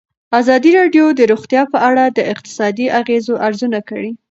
ازادي راډیو د روغتیا په اړه د اقتصادي اغېزو ارزونه کړې.